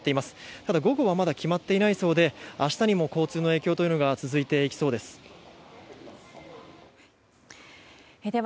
ただ午後はまだ決まっていないそうで明日にも交通の影響というのが続いていきそうです。